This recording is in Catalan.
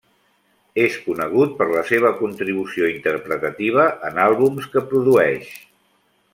És conegut per la seva contribució interpretativa en àlbums que produeix.